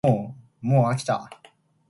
もうあきた